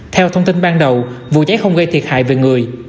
theo thông tin ban đầu vụ cháy không gây thiệt hại về người